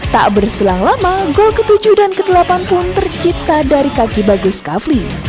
tak berselang lama gol ke tujuh dan ke delapan pun tercipta dari kaki bagus kavli